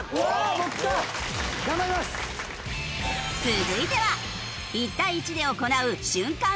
続いては１対１で行う瞬間